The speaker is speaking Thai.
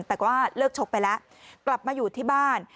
แต่ก็เลิกชกไปแล้วกลับมาอยู่ที่บ้าน